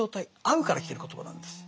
「合う」から来てる言葉なんです。